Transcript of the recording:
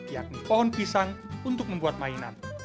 yakni pohon pisang untuk membuat mainan